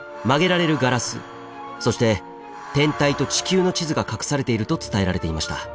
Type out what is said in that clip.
そして天体と地球の地図が隠されていると伝えられていました。